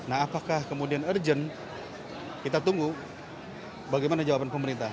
nah apakah kemudian urgent kita tunggu bagaimana jawaban pemerintah